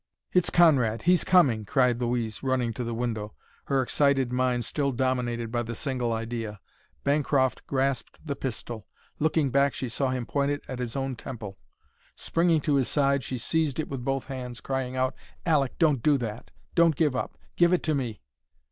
"It's Conrad! He's coming!" cried Louise, running to the window, her excited mind still dominated by the single idea. Bancroft grasped the pistol. Looking back, she saw him point it at his own temple. Springing to his side, she seized it with both hands, crying out, "Aleck, don't do that! Don't give up! Give it to me!"